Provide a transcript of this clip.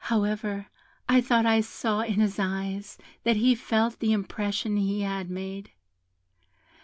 However, I thought I saw in his eyes that he felt the impression he had made.